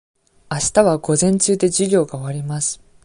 あしたは午前中で授業が終わります。